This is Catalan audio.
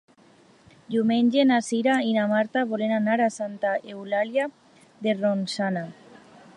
Diumenge na Cira i na Marta volen anar a Santa Eulàlia de Ronçana.